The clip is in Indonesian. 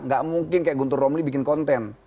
gak mungkin kayak guntur romli bikin konten